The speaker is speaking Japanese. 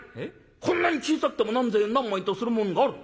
こんなに小さくても何千円何万円とするもんがある」。